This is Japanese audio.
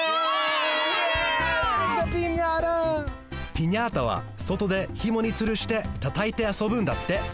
ピニャータはそとでひもにつるしてたたいてあそぶんだって。